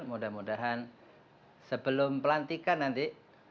mudah mudahan sebelum pelantikan nanti